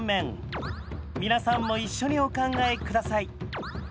皆さんも一緒にお考え下さい。